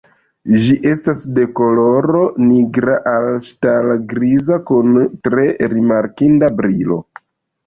Ĝi estas de koloro nigra al ŝtala griza kun tre rimarkinda brilo.